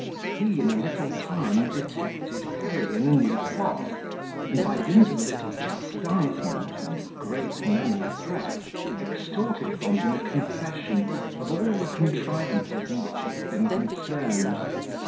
He in a little time, detected Perry in a new plot; and by dint of a little chastisement, and a great many threats, extorted from him a confession of all the contrivances in which he had been concerned.